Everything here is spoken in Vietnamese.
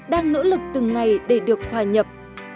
đang nỗ lực từng ngày để được hòa nhập